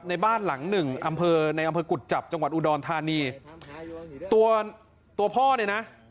ในบ้านหลังหนึ่งอำเภอในอำเภอกุจจับจังหวัดอุดรธานีตัวตัวพ่อเนี่ยนะ